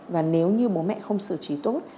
và nếu như bố mẹ không xử trí tốt